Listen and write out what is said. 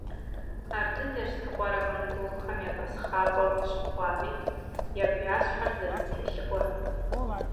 Ар дыдэрщ Тукъарэ монголхэм я тӏасхъапӏэу къыщыхъуари, ягу-я щхьэр зэрызэтелъыӏуэр.